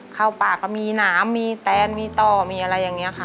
เข้าปากก็มีหนามมีแตนมีต่อมีอะไรอย่างนี้ค่ะ